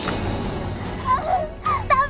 ダメ！